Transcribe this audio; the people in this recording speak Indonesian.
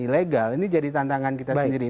ilegal ini jadi tantangan kita sendiri